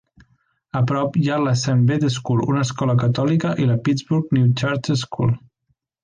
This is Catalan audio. A prop, hi ha la Saint Bede School, una escola catòlica, i la Pittsburgh New Church School.